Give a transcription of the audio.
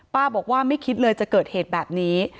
บอกว่าไม่คิดเลยจะเกิดเหตุแบบนี้